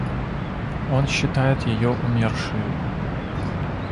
Он считает ее умершею.